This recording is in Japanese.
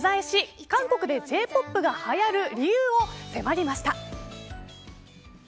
現地を取材し、韓国でＪ‐ＰＯＰがはやる理由を迫りました。